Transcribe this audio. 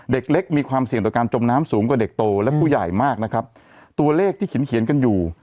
เด็กเล็กมีความเสี่ยงต่อการจมน้ำสูงกว่าเด็กโตและผู้ใหญ่มากนะครับตัวเลขที่เขียนเขียนกันอยู่